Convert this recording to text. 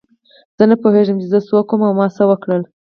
زه نه پوهېږم چې زه څوک وم او ما څه وکړل.